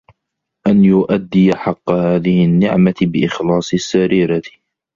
أَنْ يُؤَدِّيَ حَقَّ هَذِهِ النِّعْمَةِ بِإِخْلَاصِ السَّرِيرَةِ